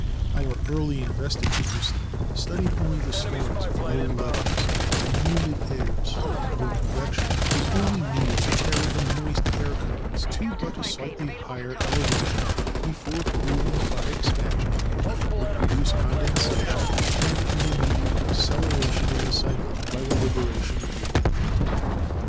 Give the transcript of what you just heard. Our early investigators studied only the storms of low levels and humid airs, where convection was only needed to carry the moist air currents to but a slightly higher elevation before cool ing by expansion would produce condensation and an immediate acceleration of the cyclone by the liberation of latent heat.